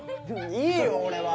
いいよ俺は